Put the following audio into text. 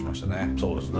そうですね。